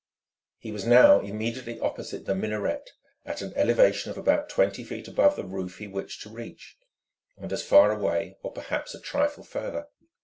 He was now immediately opposite the minaret, at an elevation of about twenty feet above the roof he wished to reach, and as far away, or perhaps a trifle farther.